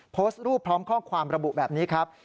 โพสต์รูปพร้อมข้อความระบุแบบนี้ครับ